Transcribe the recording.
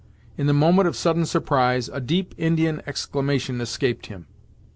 In the moment of sudden surprise, a deep Indian exclamation escaped him.